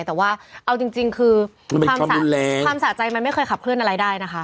แต่ว่าเอาจริงคือความสะใจมันไม่เคยขับเคลื่อนอะไรได้นะคะ